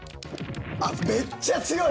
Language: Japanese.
あっめっちゃ強い。